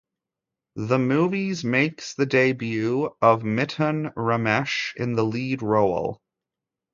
The movies makes the debut of Mithun Ramesh in the lead role.